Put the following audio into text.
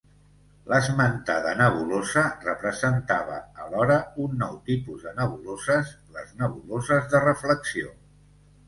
L'esmentada nebulosa representava alhora un nou tipus de nebuloses, les nebuloses de reflexió.